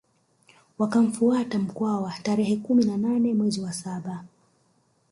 Wakamfuata Mkwawa tarehe kumi na nane mwezi wa saba